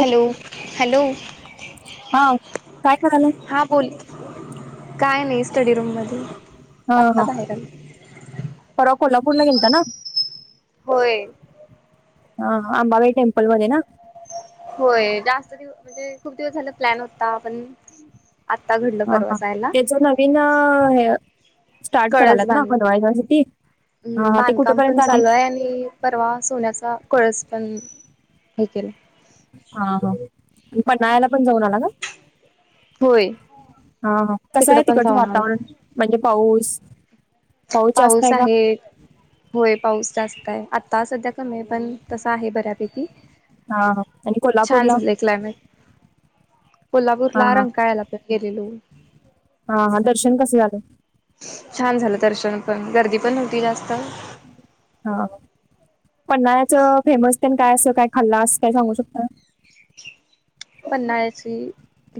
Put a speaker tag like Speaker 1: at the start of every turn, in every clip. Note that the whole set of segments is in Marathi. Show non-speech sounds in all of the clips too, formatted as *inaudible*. Speaker 1: हॅलो हॅलो
Speaker 2: हा काय करायलाय
Speaker 1: हा बोल काय नाही स्टडी रूममध्ये वाघता बाहेर
Speaker 2: पर कोल्हापूरला गेलता ना
Speaker 1: होय
Speaker 2: हा अंबाबाई टेम्पलमध्येध्ये ना
Speaker 1: होय जास्त दिव म्हणजे खूप दिवस झालं प्लॅन होता पण आत्ता घडलं
Speaker 2: ह
Speaker 1: परवा
Speaker 2: हा
Speaker 1: जायला
Speaker 2: त्याच नवीन हे स्टार्ट
Speaker 1: कळस
Speaker 2: करालात ना
Speaker 1: बांध
Speaker 2: हलवाई जाण्यासाठी हा ते कुठेपर्यंत आले
Speaker 1: त्यानी परवा स होण्याचा कळस पण हे केलं
Speaker 2: हा हा पननायला पण जाऊन आला ग
Speaker 1: होय
Speaker 2: हा कस
Speaker 1: तिकडं
Speaker 2: आहे
Speaker 1: पण
Speaker 2: तिकडचं
Speaker 1: जाऊन आलो
Speaker 2: वातावरण म्हणजे पाऊस
Speaker 1: पाऊस आहे होय पाऊस जास्त आहे आता सध्या कमी आहे पण तसं आहे बऱ्यापैकी
Speaker 2: हा ह आणि कोल्हापूर ला
Speaker 1: असला
Speaker 2: हा
Speaker 1: कोल्हापूरला
Speaker 2: हा
Speaker 1: रंगकाळायला गेलेलो
Speaker 2: हा हा दर्शन कसं झालं
Speaker 1: छान झालं दर्शन पण गर्दी पण नव्हती जास्त
Speaker 2: हा पन्नाळ्याच फेमस ते काय असं काय खाल्ला असं काय सांगू शकता
Speaker 1: पन्हाळ्याची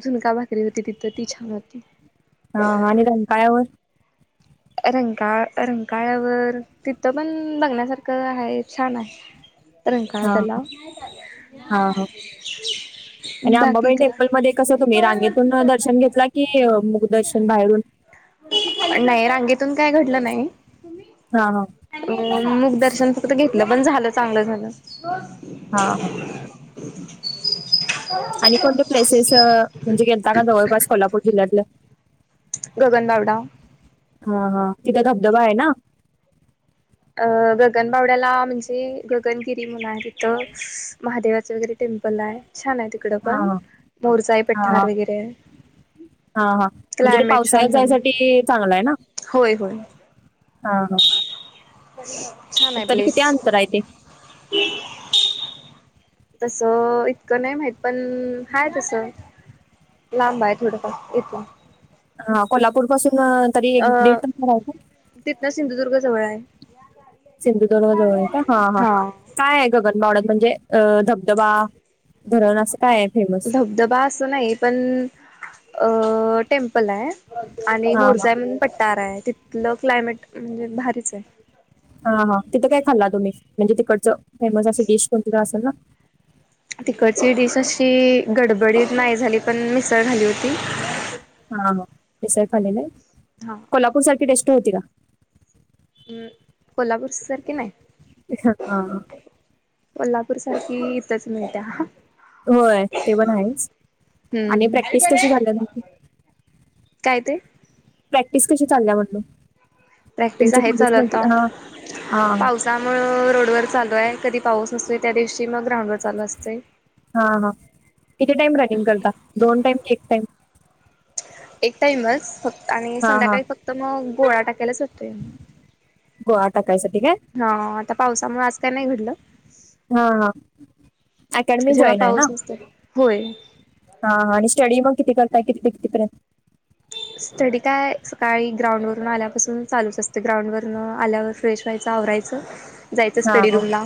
Speaker 1: झुणका भाकरी होती तिथं ती छान होती
Speaker 2: हाा आणि त्यां कायवर
Speaker 1: रंगकाळ रंगकाळ्यावर तिथं पण बघण्यासारखं आहे छान आहे
Speaker 2: ह
Speaker 1: रंकाळा तलाव.
Speaker 2: हा आणि
Speaker 1: बाकी
Speaker 2: अंबाबाई टेम्पल
Speaker 1: काय
Speaker 2: मध्ये कस तुम्ही रांगेतून दर्शन घेतला. की मुखदर्शन बाहेरून.
Speaker 1: पण नाही रांगेतून काय घडलं नाही.
Speaker 2: हा हा,
Speaker 1: अ मग दर्शन फक्त घेतलं पण झालं चांगलं झालं.
Speaker 2: हा हा
Speaker 1: *inaudible*
Speaker 2: आणि कोणते प्लेसेस म्हणजे गेता का जवळपास कोल्हापूर जिल्ह्यातलं.
Speaker 1: गगनबाावडा.
Speaker 2: हा हा, तिथ धबधबा आहे ना.
Speaker 1: अ गगनबावड्याला म्हणजे गगनगिरी म्हण आहे तिथं महादेवाचं वगैरे टेम्पल आहे. छान आहे तिकडं
Speaker 2: हा
Speaker 1: पण
Speaker 2: हा
Speaker 1: मोरचाई
Speaker 2: हा हा
Speaker 1: पठार वगैरे.
Speaker 2: हा हा म्हणजे ते
Speaker 1: क्लायमेट छान
Speaker 2: पावसाळ्यात
Speaker 1: झालं.
Speaker 2: जायसाठी चांगला आहे ना.
Speaker 1: होय होय.
Speaker 2: हा हा,
Speaker 1: छान हाय
Speaker 2: तरी
Speaker 1: प्लेस.
Speaker 2: किती अंतर आहे ते
Speaker 1: तस इतकं न्हाय माहित पण हाय तस. लांबा हाय थोडं फार इथून.
Speaker 2: अ कोल्हापूर पासून तरी अ एक दीड कि मीटर हाय काय.
Speaker 1: तिथंन सिंधुदुर्ग जवळ हाय. यान यारी येत *inaudible*
Speaker 2: सिंधुदुर्ग जवळ हाय का हा हा. काय हाय गगनबावड्यात म्हणजे अ धबधबा धरण असं काय हाय फेमस.
Speaker 1: धबधबा असं न्हाय अ पण टेम्पल हाय. आणि
Speaker 2: हा हा
Speaker 1: मोरचान पट्टारा हाय तिथलं क्लायमेट म्हणजे अ भारीच हाय.
Speaker 2: हा हा तिथं काय खाल्ला तुम्ही म्हणजे तिकडच फेमस अस डिश कोणती तरी असेल ना.
Speaker 1: तिकडची डिश अशी गडबडीत नाही झाली पण मिसळ झाली होती.
Speaker 2: हा हा मिसळ खाल्लेल काय.
Speaker 1: हा,
Speaker 2: कोल्हापूर आरखी टेस्ट होती का.
Speaker 1: हम्म कोल्हापूर सार की न्हाय.
Speaker 2: हा
Speaker 1: कोल्हापूर सारखी इथंच मिळत्या ह.
Speaker 2: होय ते पण हायच आणि
Speaker 1: हम्म
Speaker 2: प्रॅक्टिस कशी झाल्या तुमची.
Speaker 1: काय ते.
Speaker 2: प्रॅक्टीस कशी चालल्या मम्हंटल
Speaker 1: प्रॅक्टिस
Speaker 2: तुमची
Speaker 1: आहे
Speaker 2: पुलिस भरती हां हां.
Speaker 1: त्यामुळ अ रोडवर चालू हाय कधी पाऊस नसतोय त्या दिवशी मग ग्राउंडवर चालू असतय.
Speaker 2: हा अ हा किती टाइम रगिंग करता दोन टाइम का एक टाइम.
Speaker 1: एक टाइमच फक्त अ आणि
Speaker 2: हा
Speaker 1: संध्याकाळी फक्त मग अ गोळा टाकायलाच ज ''--''
Speaker 2: गोळ टाकायसाठी काय.
Speaker 1: हा अ आता पावसामुळे आज काय न्हाय घडलं.
Speaker 2: हा हा अकॅडमी
Speaker 1: जेव्हा
Speaker 2: जॉईन हाय ना.
Speaker 1: पाऊस नसतोय होय.
Speaker 2: हा हा आणि स्टडी मग किती करताय कितीते कितीर्यंत.
Speaker 1: स्टडी काय अ सकाळी ग्राउंडवरून आल्यापासून चालूच असतें ग्राउंडवरन अ आल्यावर. फ्रेश व्हायचं आवरायचं जायचं
Speaker 2: हा
Speaker 1: स्टडी
Speaker 2: हा
Speaker 1: रूमला.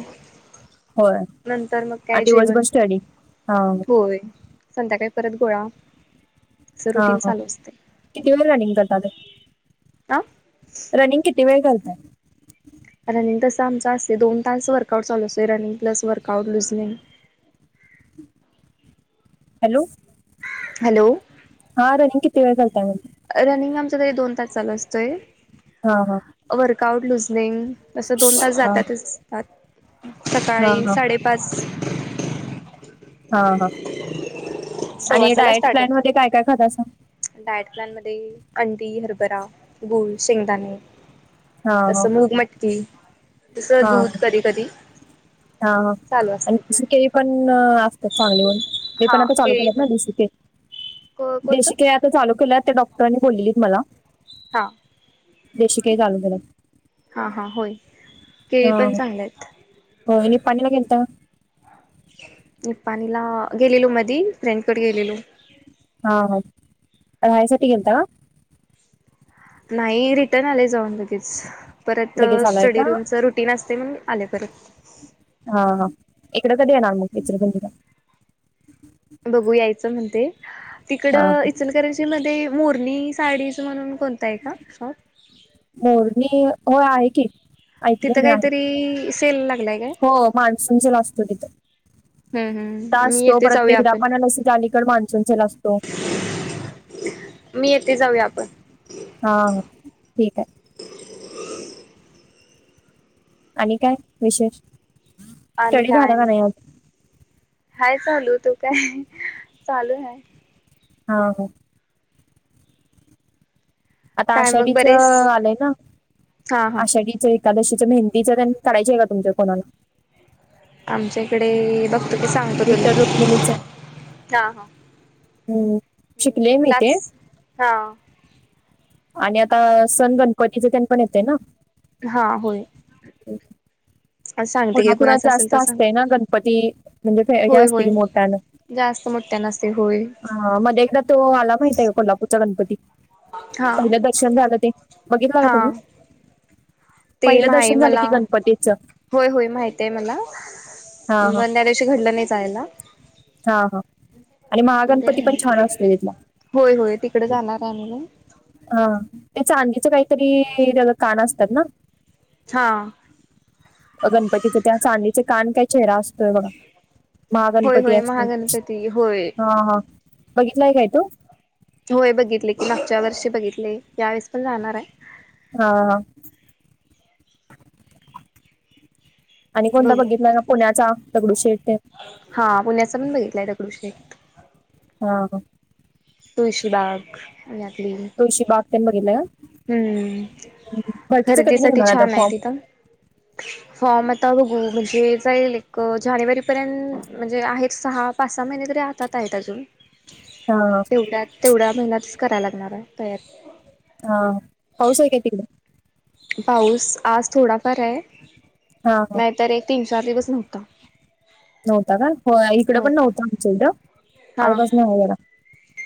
Speaker 2: होय
Speaker 1: नंतर मग
Speaker 2: आणि
Speaker 1: काय
Speaker 2: दिवसभर
Speaker 1: जेवण
Speaker 2: स्टडी हा
Speaker 1: होय. संध्याकाळी परत गोळा असं
Speaker 2: हा
Speaker 1: रुटीन
Speaker 2: हा
Speaker 1: चालू असतंय.
Speaker 2: किती वेळ म रनिंग करतात.
Speaker 1: ता
Speaker 2: रनिंग किती वेळ करताय?
Speaker 1: रनिंग तसं आमच असतय दोन तास वर्कआउट चालू असतोय running plus workout, loosening
Speaker 2: hello.
Speaker 1: Hello.
Speaker 2: हा रनिंग किती वेळ करताय मग?
Speaker 1: रनिंग आमचा तरी दोन तास चालू असतोय.
Speaker 2: हा हा.
Speaker 1: वर्कआउट लुझनिंग असं दोन तास
Speaker 2: हा
Speaker 1: जातातच त्यात सकाळी
Speaker 2: हा
Speaker 1: साडे पाच
Speaker 2: हा हा आणि डाइट प्लॅन मध्ये काय काय खातासा?
Speaker 1: डाइट प्लॅन मध्ये अंडी, हरभरा, गूळ, शेंगदाणे
Speaker 2: हा
Speaker 1: तसं मूग, मटकी तसं
Speaker 2: हा हा
Speaker 1: दूध कधी-कधी
Speaker 2: हा हा
Speaker 1: चालू
Speaker 2: आणि
Speaker 1: असते. *inaudible*
Speaker 2: देशी केळी पण ना असते चांगले होय मी पण
Speaker 1: हा
Speaker 2: आता चालू
Speaker 1: केळी
Speaker 2: केल्यात ना
Speaker 1: पण
Speaker 2: देशी के
Speaker 1: को कोणतं
Speaker 2: देशी केली आ चालू केल्यावर ते डॉक्टरांनी बोल्लेलीत मला
Speaker 1: हां.
Speaker 2: देशी केली चालू करा.
Speaker 1: हां हां होय.
Speaker 2: हा
Speaker 1: केळी पण
Speaker 2: हा
Speaker 1: चांगले आहेत
Speaker 2: वहिनी पाणीला गेलता.
Speaker 1: मी पाणीला गेलेलो मधी फ्रेंडकडे गेलेलो.
Speaker 2: हा हा रहायसाठी गेलता?
Speaker 1: नाही रिटर्न आले जाऊन लगेच परत
Speaker 2: लगेच आलाय
Speaker 1: स्टडी
Speaker 2: का
Speaker 1: रूमचा रू टीन असते म्हणून आले परत.
Speaker 2: हा हा इकडे कधी येणार मग विचरापंजिला?
Speaker 1: बघू यायचं म्हणते
Speaker 2: हा
Speaker 1: तिकडं इचल *unintelligible* मध्ये मोरनी साडीज म्हणून कोणता आहे का शॉप?
Speaker 2: मोरनी हो आहे की. ऐकले
Speaker 1: तिथं
Speaker 2: मी आहे
Speaker 1: काहीतरी सेल लागलाय काय
Speaker 2: हो मान्सून जला असतो तिथे.
Speaker 1: हम् हम् मी
Speaker 2: टास्क
Speaker 1: येते जाऊया
Speaker 2: *unintelligible*
Speaker 1: आपण
Speaker 2: आपाणाला असं अलीकड मान्सून ला असतो.
Speaker 1: मी येथे जाऊया आपण.
Speaker 2: हा हा ठीक आहे. आणि काय विशेष
Speaker 1: आणि
Speaker 2: स्टडी
Speaker 1: काय
Speaker 2: झाला का
Speaker 1: नाही
Speaker 2: आज?
Speaker 1: हाय चालू तू काय चालू आहे.
Speaker 2: हा हा. आता
Speaker 1: काय मग
Speaker 2: आषाढीचं
Speaker 1: बरेच
Speaker 2: आलंय ना
Speaker 1: हा हा
Speaker 2: आषाढीचा एक एकादशीच्या मेहंदीचा रंग काढायची आहे का तुमच्या कोणाला?
Speaker 1: आमच्याकडे बघतो की सांगतो तुला
Speaker 2: विठ्ठल रुक्मिणीचं
Speaker 1: हा हा.
Speaker 2: हम्म. शिकले मी ते
Speaker 1: क्लास हा.
Speaker 2: आणि आता सण गणपतीचे तेन पण येते ना.
Speaker 1: हा होय.
Speaker 2: *unintelligible*
Speaker 1: सांगते की
Speaker 2: कोल्हापुरात
Speaker 1: कुणाचं असेल
Speaker 2: जास्त
Speaker 1: तर सांग
Speaker 2: असतेय ना गणपती म्हणजे हे
Speaker 1: होय
Speaker 2: असते की
Speaker 1: होय
Speaker 2: मोठ्याना.
Speaker 1: जास्त मोठ्यानं असतंय, होय.
Speaker 2: ह मध्ये एकदा तो आला माहितय कोल्हापूरचा गणपती.
Speaker 1: हा
Speaker 2: पहिलं दर्शन झालं ते बघित का का तुम्ही
Speaker 1: हा ते
Speaker 2: पहिलं
Speaker 1: नाही
Speaker 2: दर्शन झालं
Speaker 1: मला,
Speaker 2: की गणपतीचं
Speaker 1: होय-होय माहित आहे मला.
Speaker 2: हा हा
Speaker 1: बंद्या दिवशी घडलं नाही जायला.
Speaker 2: हा हा. आणि मगगणपती पण छान असते तिथला.
Speaker 1: होय होय तिकडे जाणार आहे मी
Speaker 2: हा, त्या चांदीचं काहीतरी कान असतात ना.
Speaker 1: हा.
Speaker 2: गणपतीचे त्या चांदीचे कान काय चेहरा असतोय बघा.
Speaker 1: होय
Speaker 2: महागणपती
Speaker 1: होय
Speaker 2: असतील,
Speaker 1: महागणपती होय
Speaker 2: हा-हा बघितलाय काय तो.
Speaker 1: होय बघितले की, मागच्या वर्षी बघितले, यावेळेस पण जाणार आहे.
Speaker 2: हा हा. आणि कोणता
Speaker 1: बघू
Speaker 2: बघितलाय ना पुण्याचा दगडू शेठ ते.
Speaker 1: हा पुण्याचा पण बघितलंय दकडू शेठ.
Speaker 2: हा ह.
Speaker 1: तुळशी बाग आणि आपली.
Speaker 2: तुळशी बाग तेन बघेलं का.
Speaker 1: हम्म,
Speaker 2: हम्म. भरतीचं कधी
Speaker 1: खरेदीसाठी
Speaker 2: निघणार आता
Speaker 1: छान आहे
Speaker 2: फॉर्म
Speaker 1: तिथं. फॉर्म आता बघू, म्हणजे जाईल एक जानेवारीपर्यंत म्हणजे आहेत सहा-पाच-सहा महिने तरी हातात. तायेत अजून.
Speaker 2: हा.
Speaker 1: त्यात तेवढ्या महिन्यातच करायला लागणार आहे तयार.
Speaker 2: हां पाऊस हाय का तिकडं?
Speaker 1: पाऊस आज थोडाफार आहे.
Speaker 2: हा हा
Speaker 1: नाहीतर एक तीन चार दिवस नव्हता.
Speaker 2: नव्हता का, हो इकडे पण नव्हता आमच्याकड
Speaker 1: हा
Speaker 2: आजपासून चालू झाला.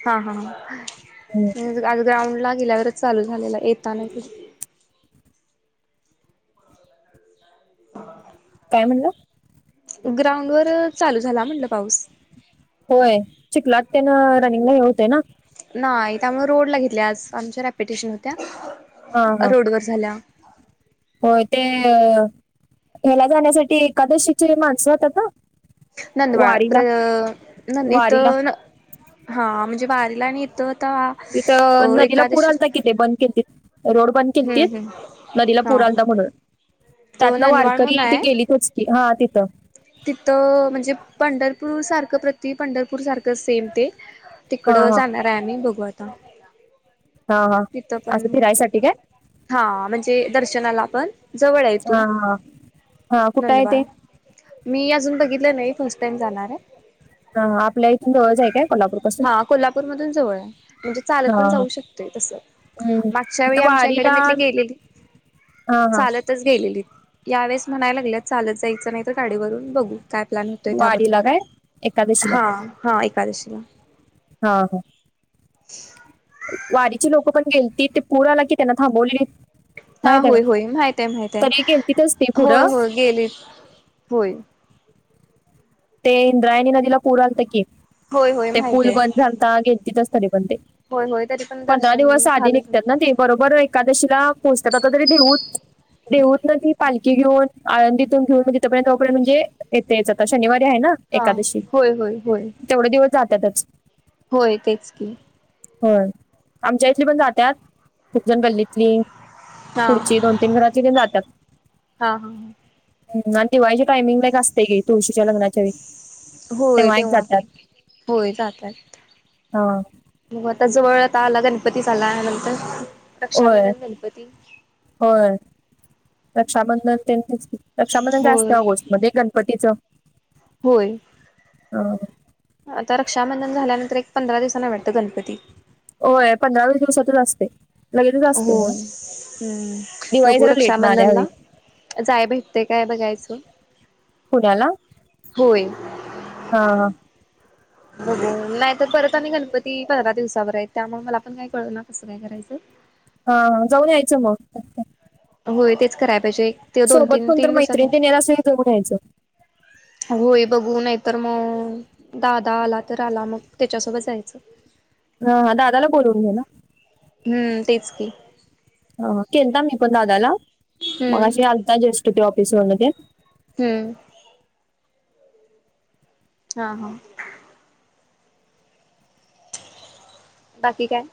Speaker 1: हा हा *unintelligible*
Speaker 2: हम्म.
Speaker 1: मग आज ग्राउंडला गेल्यावरच चालू झालेला येताना *unintelligible* अरे वा!
Speaker 2: काय म्हणालात?
Speaker 1: ग्राउंड वर चालू झाला म्हटलं पाऊस.
Speaker 2: होय, चिखलात त्यान रनिंगला हे होतय ना?
Speaker 1: नाही त्यामुळे रोडला घेतल्या आज आमच्या रॅप्युटेशन होत्या.
Speaker 2: हा हा
Speaker 1: रोडवर झाल्या.
Speaker 2: होय, तेय ह्याला जाण्यासाठी एकादशीची माणसं येतात ना?
Speaker 1: नंदवाद
Speaker 2: वारीला
Speaker 1: प्रा इथ
Speaker 2: वारीला
Speaker 1: हा म्हणजे वारीला आणि इथं
Speaker 2: हित नदीला पूर आलता की इथं बंद केलतीत रोड बंद
Speaker 1: हम्म
Speaker 2: केलतीत.
Speaker 1: हम्म
Speaker 2: नदीला
Speaker 1: हा
Speaker 2: पुर आलता म्हणून, त्यात
Speaker 1: तर
Speaker 2: न
Speaker 1: नंदवाळ
Speaker 2: वारकरी
Speaker 1: म्हणून
Speaker 2: ती
Speaker 1: आहे
Speaker 2: गेलीतच की हा तिथं.
Speaker 1: तिथं म्हणजे पंढरपूर सारखं प्रति पंढरपूर सारखं सेम ते
Speaker 2: हा
Speaker 1: तिकडं
Speaker 2: हा
Speaker 1: जाणार आहे आमी बघू आता.
Speaker 2: हा, हा
Speaker 1: तिथं पण
Speaker 2: असं फिरायसाठी काय?
Speaker 1: हा, म्हणजे दर्शनाला पण जवळ आहे इथून.
Speaker 2: हा हा हा कुठंय ते?
Speaker 1: नंदबाळ मी अजून बघितलं नाही फर्स्ट टाइम जाणार आहे.
Speaker 2: हा आपल्या इथून जवळच हाय काय कोल्हापूर पासून.
Speaker 1: हा कोल्हापूरमधून जवळ आहे म्हणजे चालत पण
Speaker 2: हा
Speaker 1: जाऊ
Speaker 2: हम्म.
Speaker 1: शकते तसं.
Speaker 2: हम्म.
Speaker 1: मागच्या वेळी
Speaker 2: तिथं
Speaker 1: आमच्या इकडे
Speaker 2: वारीला
Speaker 1: म्हटली गेलेली
Speaker 2: हा हा
Speaker 1: चालत तच गेलेली यावेेळेस म्हणायला लागल्यात चालत जायचं नाही तर गाडीवरून बघू. काय प्लॅन होतोय त्यावरून
Speaker 2: वारीला काय एकादशीला
Speaker 1: हा हा एकादशीला.
Speaker 2: हा हा. वारीची लोकं पण गेलती ते पूर आला की त्यांना थांबवलीत.
Speaker 1: हा होय होय माहित ये माहित ये
Speaker 2: गेलतीतच ते
Speaker 1: होय
Speaker 2: पुढं
Speaker 1: होय गेलेत होय.
Speaker 2: ते इंद्रायणी नदीला पूर आलता की
Speaker 1: होय होय
Speaker 2: ते
Speaker 1: माहित
Speaker 2: पूल बंद
Speaker 1: आहे
Speaker 2: झालता गेलतीच तरी पण ते.
Speaker 1: होय होय तरी पण
Speaker 2: पंधरा
Speaker 1: दर्शन
Speaker 2: दिवस आधी
Speaker 1: झालंच नाही.
Speaker 2: निघतात ना ते बरोबर अंक एकादशीला पोहचतात आता तरी देहू देहूतन ती पालखी घेऊन आळंदीतून घेऊन म्हणजे तोपर्यंत तोपर्यंत म्हणजे येते याचात अशी. शनिवारी आहे ना
Speaker 1: हा
Speaker 2: एकादशी
Speaker 1: होय होय होय
Speaker 2: तेवढे दिवस जातातच.
Speaker 1: होय तेच की.
Speaker 2: होय आमच्या इथली पण जातात खूपजण गल्लीतली
Speaker 1: हा
Speaker 2: पुढची दोन तीन घरातली पण जातात.
Speaker 1: हा हा
Speaker 2: हम्म आणि दिवाळीच्या टायमिंगला एक असतय की तुळशीच्या लग्नाच्या वेळी.
Speaker 1: होय
Speaker 2: एक
Speaker 1: तेव्हा पण
Speaker 2: जातात
Speaker 1: होय जाता येत.
Speaker 2: हा
Speaker 1: मग आता जवळ आता आला गणपतीच आला नंतर
Speaker 2: होय
Speaker 1: रक्षाबंधन, गणपती
Speaker 2: होय रक्षाबंधन *unintelligible* रक्षाबंधन असते
Speaker 1: होय
Speaker 2: ऑगस्टमध्ये गण पतीचं
Speaker 1: होय.
Speaker 2: *unintelligible*
Speaker 1: आता रक्षाबंधन झाल्यानंतर एक पंधरा दिवसांन ये वाटतं गणपती.
Speaker 2: होय पंधरा वीस दिवसातून असते. लगेचच असते हं.
Speaker 1: होय हम्म
Speaker 2: दिवाळी
Speaker 1: बघू
Speaker 2: जरा लेट ना आल्या हवी
Speaker 1: रक्षाबंधनला जाया भेटत काय बघायचं.
Speaker 2: पुण्याला
Speaker 1: होय
Speaker 2: हा हा.
Speaker 1: बघु नाही तर परत आम्ही गणपती पंधरा दिवसावर आहेत त्यामुळे मला पण काय कळना कसं काय करायचं.
Speaker 2: हा जाऊन यायचं मग.
Speaker 1: होय तेच कराय पाहिजे. ते दोन
Speaker 2: सोबत
Speaker 1: तीन
Speaker 2: कोणतर
Speaker 1: तीन दिवसात
Speaker 2: मैत्रिणी
Speaker 1: आहे
Speaker 2: दे *inaudible* घ्यायचं.
Speaker 1: होय बघू नाही तर म दादा आला तर आला मग त्याच्यासोबत जायचं.
Speaker 2: हा दादाला बोलून घेना.
Speaker 1: हम्म तेच की.
Speaker 2: हा केलता मी पण दादाला
Speaker 1: हम्म
Speaker 2: मगाशी आलता जस्ट ते ऑफिस वरन ते.
Speaker 1: हम्म. हा हा. बाकी काय?